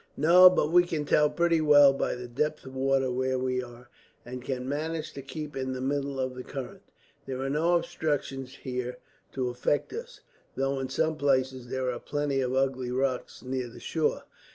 "No, but we can tell pretty well, by the depth of water, where we are; and can manage to keep in the middle of the current. There are no obstructions there to affect us, though in some places there are plenty of ugly rocks near the shore.